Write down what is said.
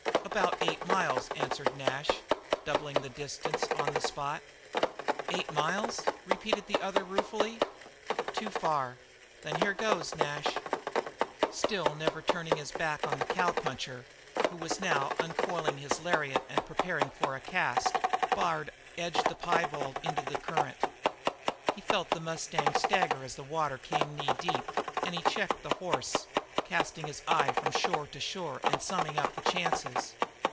"About eight miles," answered Nash, doubling the distance on the spot. "Eight miles?" repeated the other ruefully. "Too far. Then here goes, Nash." Still never turning his back on the cowpuncher, who was now uncoiling his lariat and preparing it for a cast, Bard edged the piebald into the current. He felt the mustang stagger as the water came knee deep, and he checked the horse, casting his eye from shore to shore and summing up the chances.